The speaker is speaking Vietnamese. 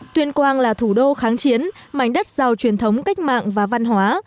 tuyên quang là thủ đô kháng chiến mảnh đất giàu truyền thống cách mạng và văn hóa